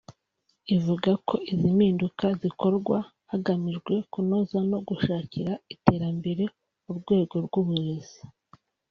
ivuga ko izi mpinduka zikorwa hagamijwe kunoza no gushakira iterambere urwego rw’uburezi